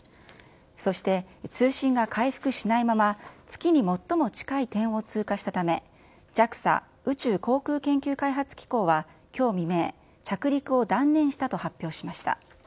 そして通信が回復しないまま、月に最も近い点を通過したため、ＪＡＸＡ・宇宙航空研究開発機構はきょう未明、着陸を断念したと発表しました。